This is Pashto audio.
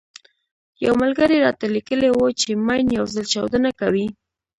يو ملګري راته ليکلي وو چې ماين يو ځل چاودنه کوي.